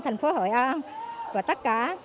thành phố hội an và tất cả